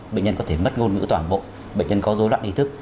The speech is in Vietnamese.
bệnh nhân có thể mất ngôn ngữ toàn bộ bệnh nhân có dối loạn ý thức